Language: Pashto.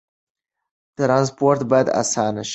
ترانسپورت باید اسانه شي.